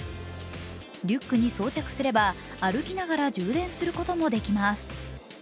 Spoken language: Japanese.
リュックに装着すれば歩きながら充電することもできます。